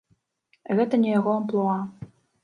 Гэта не яго амплуа.